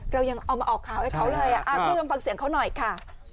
เรายังเอามาออกข่าวให้เขาเลยคุณผู้ชมฟังเสียงเขาหน่อยค่ะ